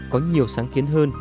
có nhiều sáng kiến hơn